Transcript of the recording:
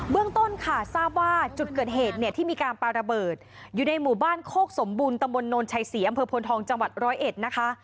เบื้องต้นค่ะทราบว่าจุดเกิดเหตุที่มีการปาระเบิดอยู่ในหมู่บ้านโคกสมบูรณ์ตมนชายเสียมอำเภอพลธองจังหวัด๑๐๑นะคะ